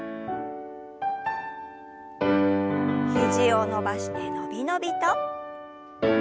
肘を伸ばして伸び伸びと。